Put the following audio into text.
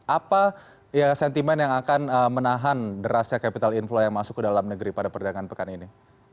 apa sentimen yang akan menahan derasnya capital inflow yang masuk ke dalam negeri pada perdagangan pekan ini